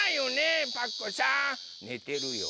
ねてるよ。